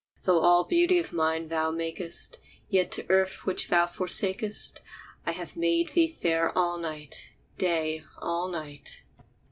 Though all beauty of nine thou makest, Yet to earth which thou forsakest I have made thee fair all night, Day all night.